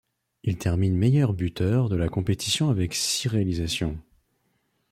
Il termine meilleur buteur de la compétition avec six réalisations.